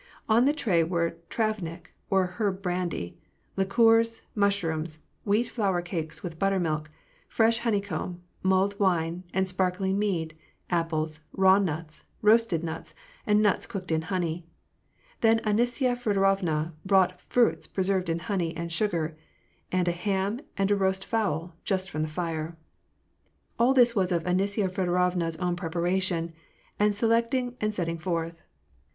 On the tray were travnik or herb brandy, liqueurs, mushrooms, wheat flour cakes with buttermilk, fresh honey comb, mulled wine and sparkling mead, apples, raw nuts, roasted nuts, and nuts cooked in honey. Then Anisya Feodo rovna brought fruits preserved in honey and sugar, and a ham and a roast fowl just from the fire. All this was of Anisya Feodorovna's own preparation, and selecting, and setting forth.